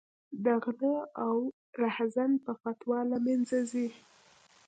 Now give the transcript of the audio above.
د غله او رحزن په فتوا له منځه ځي.